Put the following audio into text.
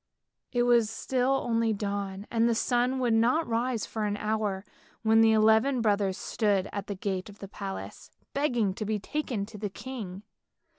It was still only dawn, and the sun would not rise for an hour when the eleven brothers stood at the gate of the palace, begging to be taken to the king.